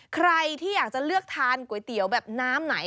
ใครที่อยากจะเลือกทานก๋วยเตี๋ยวแบบน้ำไหน